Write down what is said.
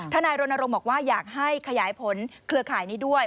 นายรณรงค์บอกว่าอยากให้ขยายผลเครือข่ายนี้ด้วย